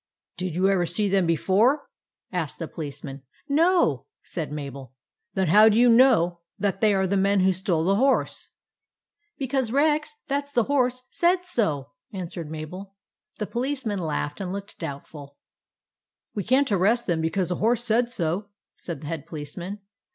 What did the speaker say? " Did you ever see them before?" asked the policeman. " No," said Mabel. " Then how do you know that they are the men who stole the horse ?" 72 THE ADVENTURES OF MABEL " Because Rex — that 's the horse — said so," answered Mabel. The policemen laughed and looked doubt ful. "We can't arrest them because a horse said so," said the Head Policeman.